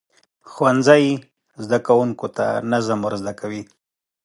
ښوونځی زده کوونکو ته نظم ورزده کوي.